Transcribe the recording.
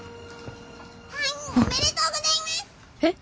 退院おめでとうございますえっ？